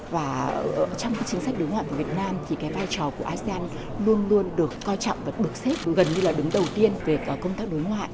và trong cái chính sách đối ngoại của việt nam thì cái vai trò của asean luôn luôn được coi trọng và được xếp gần như là đứng đầu tiên về công tác đối ngoại